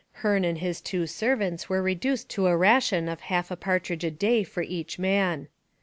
Hearne and his two servants were reduced to a ration of half a partridge a day for each man.